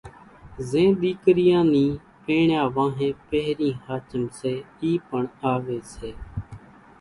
زين ۮيڪريان نِي پيڻيا وانھين پھرين ۿاچم سي اِي پڻ آوي سي